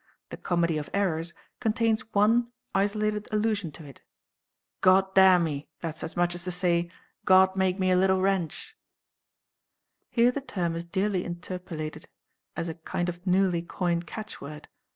The 'Comedy of Errors' contains one isolated allusion to it: "God damn me! that's as much as to say, God make me a light wench." Here the term is dearly interpolated as a kind of newly coined catchword.